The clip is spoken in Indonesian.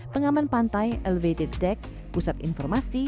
pengaman pantai elevated deck pusat informasi